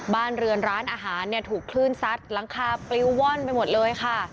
บ้านเรือนร้านอาหารเนี่ยถูกคลื่นซัดหลังคาปลิวว่อนไปหมดเลยค่ะ